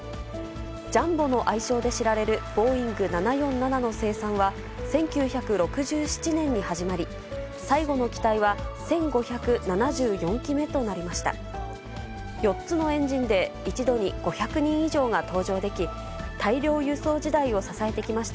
ジャンボの愛称で知られるボーイング７４７の生産は、１９６７年に始まり、最後の機体は１５７４機目となりました。